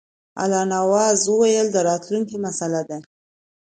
الله نواز وویل دا د راتلونکي مسله ده.